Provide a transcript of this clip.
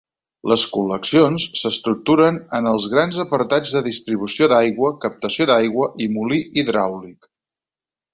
Les col·leccions s'estructuren en els grans apartats de distribució d'aigua, captació d'aigua i molí hidràulic.